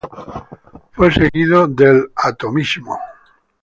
Fue seguidor del "atomismo".